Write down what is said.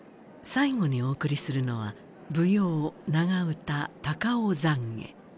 最後にお送りするのは舞踊長唄「高尾懺悔」。